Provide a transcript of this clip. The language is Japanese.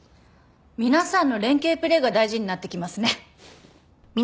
皆さんの連係プレーが大事になってきますね。